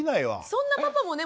そんなパパもね